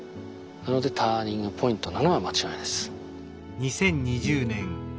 ターニングポイントなのは間違いないです。